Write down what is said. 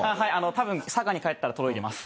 多分佐賀に帰ったら届いてます。